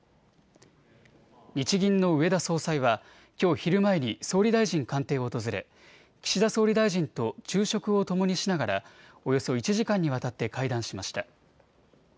日銀の植田総裁はきょう昼前に総理大臣官邸を訪れ岸田総理大臣と昼食をともにしながらおよそ１時間にわたって会談しました。